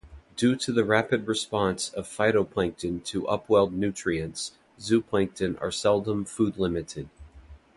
Due to the rapid response of phytoplankton to upwelled nutrients, zooplankton are seldom food-limited.